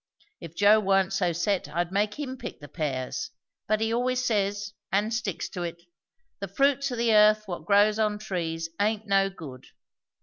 If Joe warn't so set I'd make him pick the pears; but he always says and sticks to it, the fruits o' the earth what grows on trees aint no good.